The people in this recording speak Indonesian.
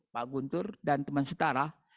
pak guntur dan teman setara